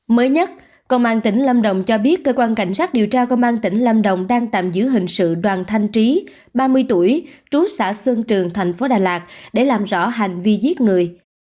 mới nhất công an tỉnh lâm đồng cho biết cơ quan cảnh sát điều tra công an tỉnh lâm đồng đang tạm giữ hình sự đoàn thanh trí ba mươi tuổi trú xã xuân trường thành phố đà lạt để làm rõ hành vi giết người